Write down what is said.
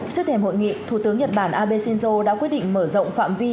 trước thềm hội nghị thủ tướng nhật bản abe shinzo đã quyết định mở rộng phạm vi